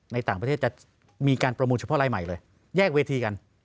ในต่างประเทศจะมีการประมูลเฉพาะรายใหม่เลยแยกเวทีกัน